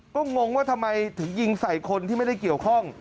ก็งงว่าทำไมถึงยิงใส่คนที่ไม่ได้เกี่ยวข้อง